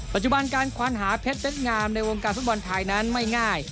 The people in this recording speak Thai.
ปัจจุบันการควานหาเพชรเด็ดงามในวงการฟุตบอลไทยนั้นไม่ง่าย